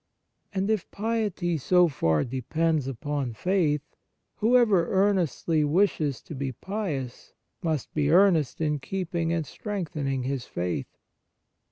And if piety so far depends upon faith, whoever earnestly wishes to be pious must be earnest in keeping and strengthening his faith.